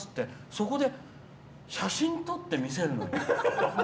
そこで、写真を撮って見せるのよ。